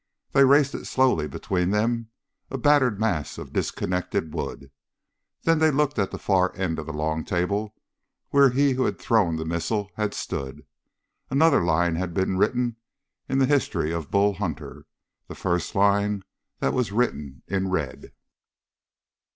They raised it slowly between them, a battered mass of disconnected wood. Then they looked to the far end of the long table where he who had thrown the missile had stood. Another line had been written into the history of Bull Hunter the first line that was written in red.